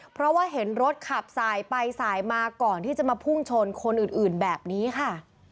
เพราะว่าเห็นรถขับสายไปสายมาก่อนที่จะมาพุ่งชนคนอื่นแบบนี้ค่ะ